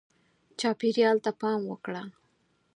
چاپېریال ته پام وکړه.